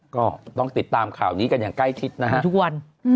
ก็ต้องติดตามข่าวนี้กันอย่างใกล้ชิดนะฮะทุกวัน